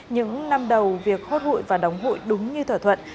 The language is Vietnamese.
những năm đầu việc hốt hụi và đóng hụi đúng như thỏa thuận